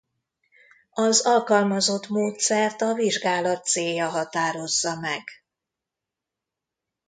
Az alkalmazott módszert a vizsgálat célja határozza meg.